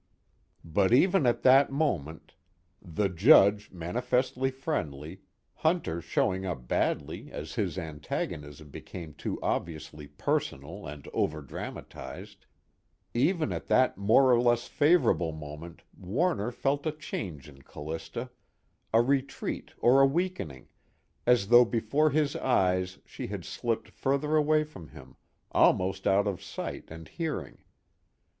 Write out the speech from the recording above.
But even at that moment the Judge manifestly friendly, Hunter showing up badly as his antagonism became too obviously personal and overdramatized even at that more or less favorable moment Warner felt a change in Callista, a retreat or a weakening, as though before his eyes she had slipped further away from him, almost out of sight and hearing.